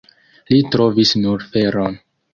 Li trovis nur feron.